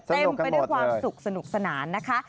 ไปด้วยความสุขสนุกสนานนะคะ